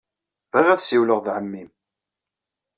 Bɣiɣ ad ssiwleɣ ed ɛemmi-m.